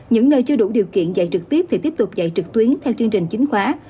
những nơi chưa đủ điều kiện dạy trực tiếp thì tiếp tục dạy trực tuyến theo chương trình chính khóa